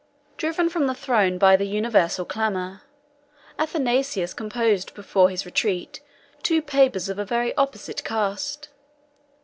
Driven from the throne by the universal clamor, Athanasius composed before his retreat two papers of a very opposite cast.